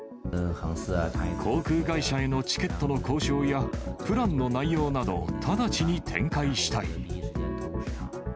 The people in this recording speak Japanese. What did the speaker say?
航空会社へのチケットの交渉や、プランの内容など、直ちに展開したい。